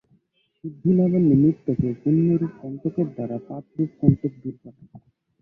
সিদ্ধিলাভের নিমিত্ত কেহ পুণ্যরূপ কণ্টকের দ্বারা পাপরূপ কণ্টক দূর করেন।